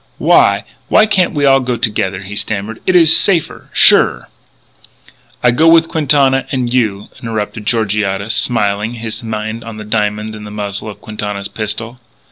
"Why why can't we all go together," he stammered. "It is safer, surer " "I go with Quintana and you," interrupted Georgiades, smilingly; his mind on the diamond in the muzzle of Quintana's pistol.